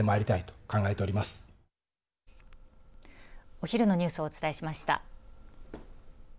お昼のニュースをお伝えしました。